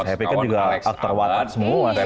saya pikir juga aktor watan semua sih